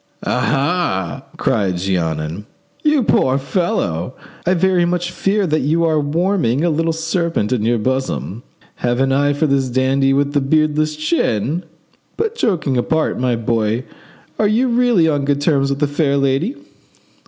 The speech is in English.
"Ah! ah!" cried Jeannin. "You poor fellow! I very much fear that you are warming a little serpent in your bosom. Have an eye to this dandy with the beardless chin! But joking apart, my boy, are you really on good terms with the fair lady?"